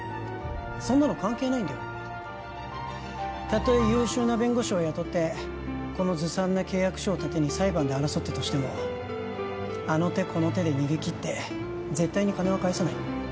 そんなの関係ないんだよたとえ優秀な弁護士を雇ってこのずさんな契約書を盾に裁判で争ったとしてもあの手この手で逃げ切って絶対に金は返さない